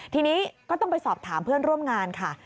ทีนี้ก็ต้องไปสอบถามเพื่อนร่วมงานค่ะ